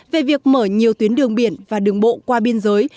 về việc mở nhiều tuyến đường biển và đường bộ qua biên giới